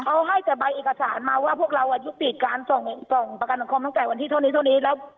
เอาให้แต่ใบเอกสารมาว่าพวกเรายุติการส่งประกันสังคมตั้งแต่วันที่เท่านี้เท่านี้แล้ว